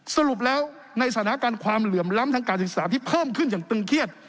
สรุปแล้วในสถานการณ์ความเหลื่อมล้ำทางการศึกษาที่เพิ่มขึ้นอย่างตึงเครียด